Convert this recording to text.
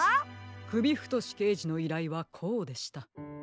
くびふとしけいじのいらいはこうでした。